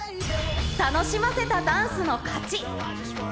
楽しませたダンスの勝ち。